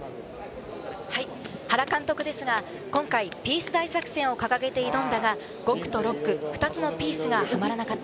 原監督は今回、ピース大作戦を掲げて挑んだが、５区と６区、２つのピースがはまらなかった。